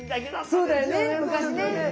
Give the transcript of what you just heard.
そうだよね昔ねうん。